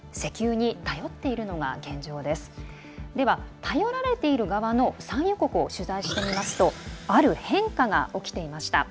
では、頼られている側の産油国を取材してみますとある変化が起きていました。